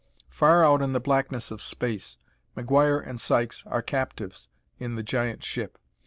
Far out in the blackness of space McGuire and Sykes are captives in the giant ship.